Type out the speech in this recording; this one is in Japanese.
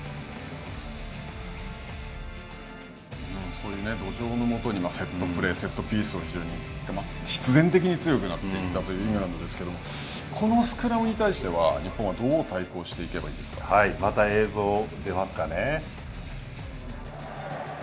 そういう土壌のもとにセットプレー、セットピースを、必然的に強い国になっていったというイングランドなんですけれども、このスクラムに対しては日本はまた映像、出ますかね。